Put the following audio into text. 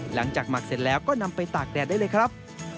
หมักเสร็จแล้วก็นำไปตากแดดได้เลยครับ